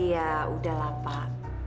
ya udahlah pak